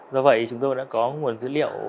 do vậy chúng tôi đã có nguồn dữ liệu